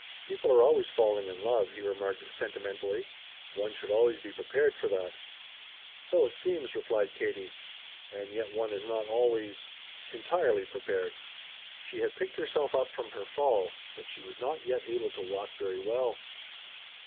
"People are always falling in love," he remarked sentimentally. "One should always be prepared for that." "So it seems," replied Katie. "And yet one is not always entirely prepared." She had picked herself up from her fall, but she was not yet able to walk very well.